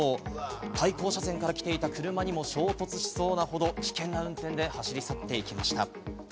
対向車線から来ていた車にも衝突しそうなほど、危険な運転で走り去っていきました。